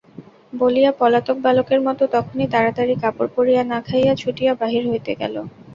বলিয়া পলাতক বালকের মতো তখনই তাড়াতাড়ি কাপড় পরিয়া না খাইয়া ছুটিয়া বাহির হইতে গেল।